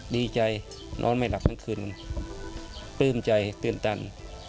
ดีใจนอนไม่หลับทั้งคืนปลื้มใจตื่นตัน